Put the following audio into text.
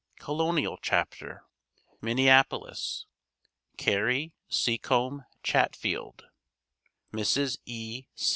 COLONIAL CHAPTER Minneapolis CARRIE SECOMBE CHATFIELD (Mrs. E.